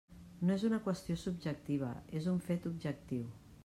No és una qüestió subjectiva, és un fet objectiu.